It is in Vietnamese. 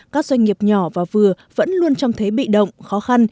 các doanh nghiệp nhỏ và vừa vẫn luôn trông thấy bị động khó khăn